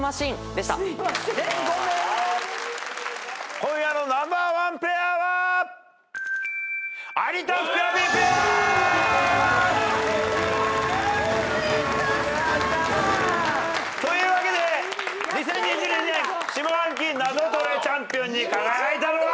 今夜のナンバーワンペアは。というわけで２０２２年下半期『ナゾトレ』チャンピオンに輝いたのは。